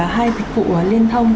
hai dịch vụ liên thông